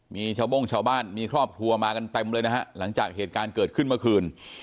มีชาวโบ้งชาวบ้านมีครอบครัวมากันเต็มเลยนะฮะหลังจากเหตุการณ์เกิดขึ้นเมื่อคืน